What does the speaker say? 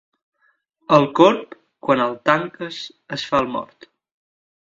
El corb, quan el tanques, es fa el mort.